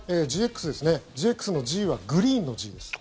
ＧＸのＧはグリーンのＧです。